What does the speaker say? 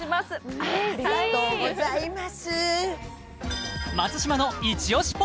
ありがとうございます嬉しい